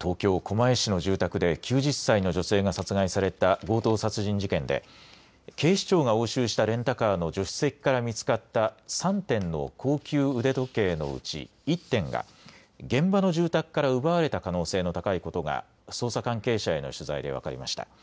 東京狛江市の住宅で９０歳の女性が殺害された強盗殺人事件で警視庁が押収したレンタカーの助手席から見つかった３点の高級腕時計のうち１点が現場の住宅から奪われた可能性の高いことが捜査関係者への取材で分かりました。